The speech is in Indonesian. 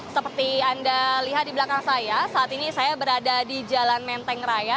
seperti anda lihat di belakang saya saat ini saya berada di jalan menteng raya